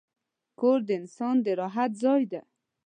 کور د انسان د راحت ځای دی.